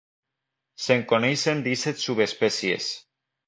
Se'n coneixen disset subespècies.